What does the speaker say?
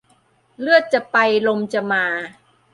เลือดจะไปลมจะมา